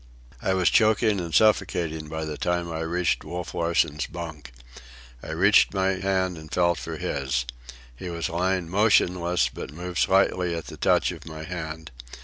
I was choking and suffocating by the time I reached Wolf Larsen's bunk. I reached my hand and felt for his. He was lying motionless, but moved slightly at the touch of my hand.